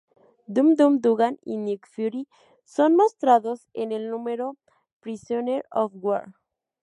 Dum Dum Dugan y Nick Fury son mostrados en el número "Prisoner of War!